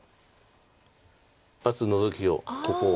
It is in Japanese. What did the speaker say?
一発ノゾキをここを。